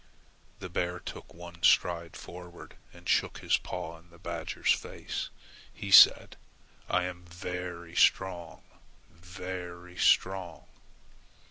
The bear took one stride forward and shook his paw in the badger's face. He said: "I am strong, very strong!"